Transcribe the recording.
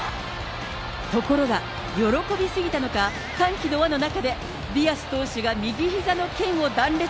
ところが、喜び過ぎたのか、歓喜の輪の中でディアス投手が右ひざのけんを断裂。